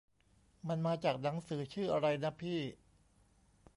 มันมาจากหนังสือชื่ออะไรนะพี่ ?